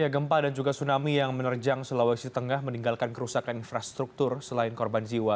gempa dan juga tsunami yang menerjang sulawesi tengah meninggalkan kerusakan infrastruktur selain korban jiwa